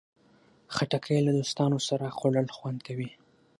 خټکی له دوستانو سره خوړل خوند کوي.